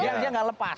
biar dia gak lepas